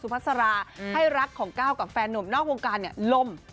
ซุภัษระให้รักของก้ากัมแฟนหนุ่มนอกโรงการนี่ร่ม